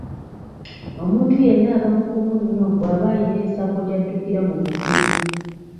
Omuntu yenna aba mugumu nnyo bw'aba ayina ensako gy'addukirako mu buzibu.